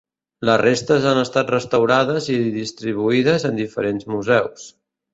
Les restes han estat restaurades i distribuïdes en diferents museus.